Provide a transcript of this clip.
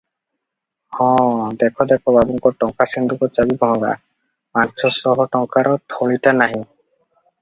ହଁ, ଦେଖ ଦେଖ, ବାବୁଙ୍କ ଟଙ୍କା ସିନ୍ଦୁକ ଚାବି ଭଙ୍ଗା, ପାଞ୍ଚ ଶହ ଟଙ୍କାର ଥଳିଟା ନାହିଁ ।